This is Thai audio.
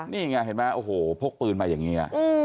นี่ไงเห็นไหมโอ้โหพกปืนมาอย่างนี้